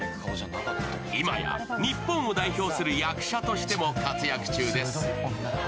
今や日本を代表する役者としても活躍中です。